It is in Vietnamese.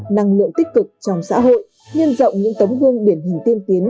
năng lượng tích cực trong xã hội nhân rộng những tống vương biển hình tiên kiến